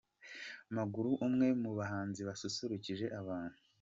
Mugarura umwe mu bahanzi basusurukije abantu.